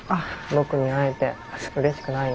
僕に会えてうれしくないの？